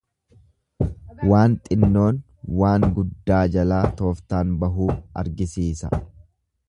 Waan xinnoon guddaa jalaa tooftaan bahuu argisiisa.